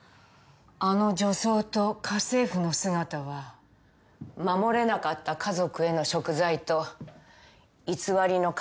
あの女装と家政夫の姿は守れなかった家族への贖罪と偽りの家族を憎む象徴。